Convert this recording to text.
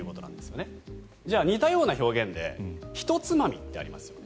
じゃあ似たような表現でひとつまみってありますよね。